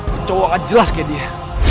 ke cowok gak jelas kayak dia